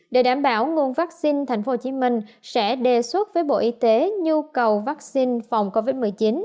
để đảm bảo nguồn vaccine tp hcm sẽ đề xuất với bộ y tế nhu cầu vaccine phòng covid một mươi chín